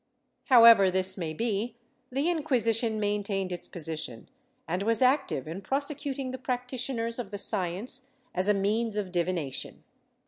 ^ However this may be, the Inquisition maintained its position and was active in prosecuting the practitioners of the science as a means of divination.